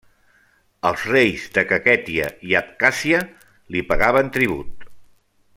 Els reis de Kakhètia i Abkhàzia li pagaven tribut.